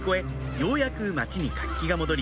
ようやく町に活気が戻り